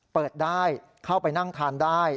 เปิดได้เข้าไปนั่งทานได้